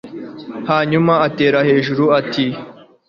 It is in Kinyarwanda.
hanyuma atera hejuru ati